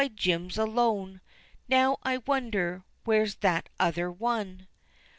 Jim's alone, Now, I wonder where's that other one?"